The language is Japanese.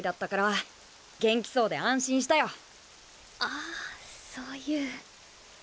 あそういう。